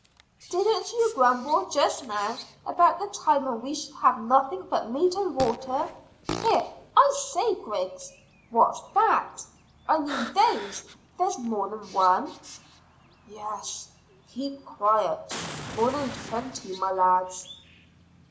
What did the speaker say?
"Didn't you grumble just now about the time when we should have nothing but meat and water? Here I say Griggs, what's that I mean those? There's more than one." "Yes; keep quiet. More than twenty, my lads."